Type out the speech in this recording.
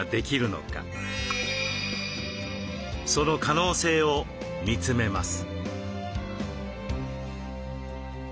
その可能性を見つめます。